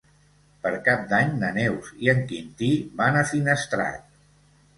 Per Cap d'Any na Neus i en Quintí van a Finestrat.